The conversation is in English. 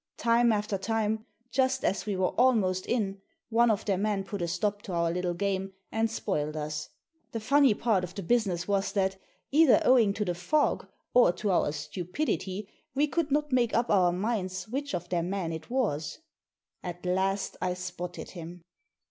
Time after time, just as we were almost in, one of their men put a stop to our little game, and spoilt us. The funny part of the business was that, either owing to the fog, or to our stupidity, we could not make up our minds which of their men it was. At last I spotted him.